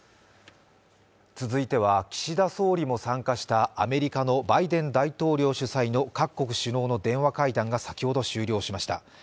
続いては岸田総理も参加したアメリカのバイデン大統領主催の各国首脳の電話会談が先ほど終了しました。